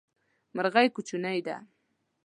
مرغی کوچنی ده